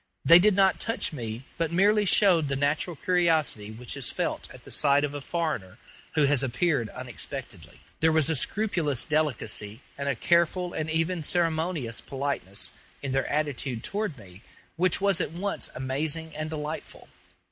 They did not touch me, but merely showed the natural curiosity which is felt at the sight of a foreigner who has appeared unexpectedly. There was a scrupulous delicacy and a careful and even ceremonious politeness in their attitude toward me which was at once amazing and delightful.